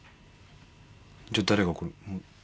じゃ誰がこれ。